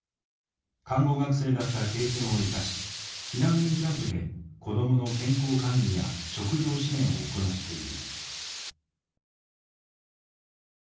看護学生だった経験を生かし避難民キャンプで子供の健康管理や食糧支援を行っている。